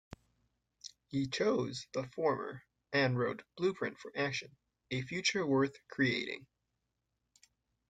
He chose the former, and wrote Blueprint for Action: A Future Worth Creating.